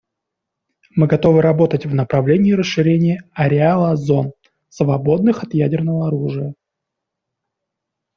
Мы готовы работать в направлении расширения ареала зон, свободных от ядерного оружия.